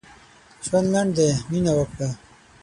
ژوند لنډ دی؛ مينه وکړه.